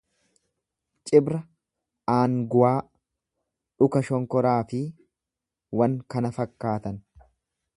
Cibra aanguwaa, dhuka shonkoraa fi wan kana fakkaatan.